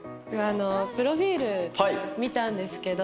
プロフィール見たんですけど。